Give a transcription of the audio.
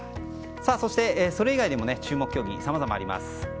そして、それ以外でも注目競技、さまざまあります。